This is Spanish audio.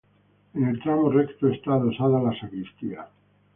En el tramo recto está adosada la sacristía.